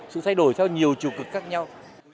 sự thay đổi theo nhiều trù cực khác nhau